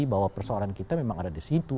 bahwa persoalan kita memang ada di situ